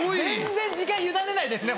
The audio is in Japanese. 全然時間委ねないですね